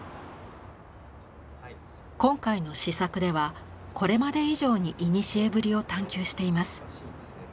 今回の試作ではこれまで以上に古ぶりを探求しています。